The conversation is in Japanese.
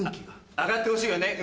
上がってほしいわね運。